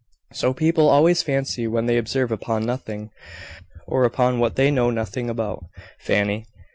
"So people always fancy when they observe upon nothing, or upon what they know nothing about, Fanny.